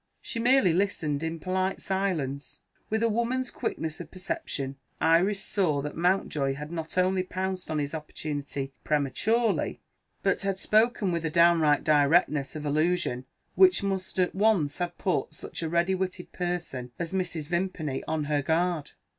She merely listened in polite silence. With a woman's quickness of perception, Iris saw that Mountjoy had not only pounced on his opportunity prematurely, but had spoken with a downright directness of allusion which must at once have put such a ready witted person as Mrs. Vimpany on her guard.